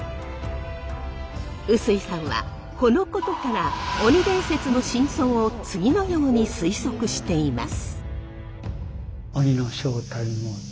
臼井さんはこのことから鬼伝説の真相を次のように推測しています。